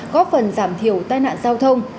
có phần giảm thiểu tai nạn giao thông